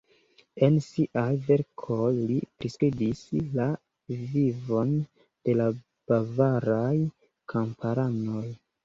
En siaj verkoj li priskribis la vivon de la bavaraj kamparanoj.